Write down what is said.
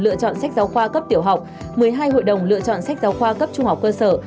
lựa chọn sách giáo khoa cấp tiểu học một mươi hai hội đồng lựa chọn sách giáo khoa cấp trung học cơ sở